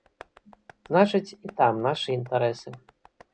Значыць, і там нашы інтарэсы.